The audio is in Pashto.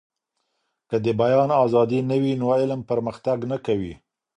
که د بيان ازادي نه وي نو علم پرمختګ نه کوي.